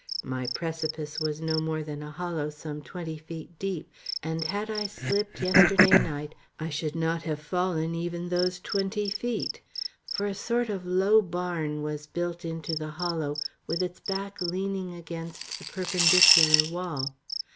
My precipice was no more than a hollow some twenty feet deep, and had I slipped yesterday night, I should not have fallen even those twenty feet; for a sort of low barn was built in the hollow, with its back leaning against the perpendicular wall.